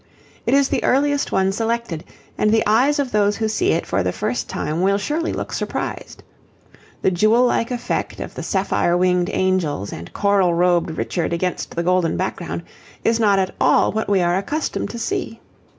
It is the earliest one selected, and the eyes of those who see it for the first time will surely look surprised. The jewel like effect of the sapphire winged angels and coral robed Richard against the golden background is not at all what we are accustomed to see.